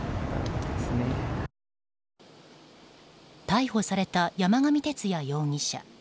逮捕された山上徹也容疑者。